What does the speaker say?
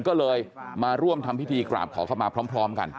ก็เลยมาร่วมทำพิธีกราบขอเข้ามาพร้อมกัน